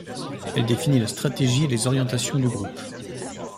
Elle définit la stratégie et les orientations du groupe.